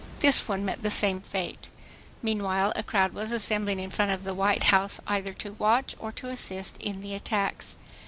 This one met the same fate. Meanwhile a crowd was assembling in front of the White House either to watch or to assist in the attacks.